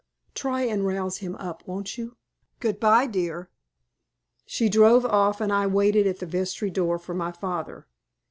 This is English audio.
Try and rouse him up, won't you? Goodbye, dear." She drove off, and I waited at the vestry door for my father.